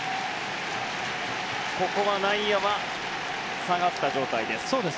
内野は下がった状態です。